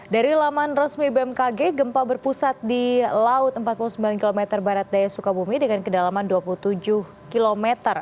dari laman resmi bmkg gempa berpusat di laut empat puluh sembilan km barat daya sukabumi dengan kedalaman dua puluh tujuh km